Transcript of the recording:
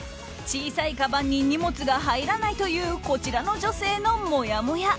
小さいかばんに荷物が入らないというこちらの女性のもやもや。